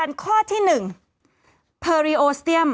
กรมป้องกันแล้วก็บรรเทาสาธารณภัยนะคะ